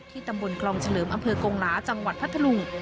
ตำบลคลองเฉลิมอำเภอกงหลาจังหวัดพัทธลุง